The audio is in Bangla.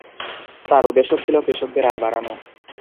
তাঁর উদ্দেশ্য ছিল কৃষকদের আয় বাড়ানো।